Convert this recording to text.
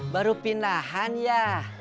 baru pindahan ya